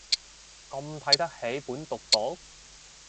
咁睇得起本毒毒